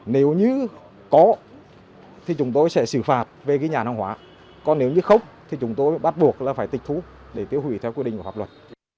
nếu như có thì chúng tôi sẽ xử phạt về ghi nhãn hàng hóa còn nếu như không thì chúng tôi bắt buộc là phải tịch thú để tiêu hủy theo quy định và pháp luật